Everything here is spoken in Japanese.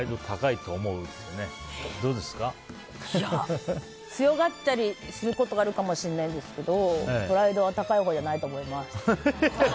いや、強がったりすることはあるかもしれないんですけどプライドは高いほうじゃないと思います。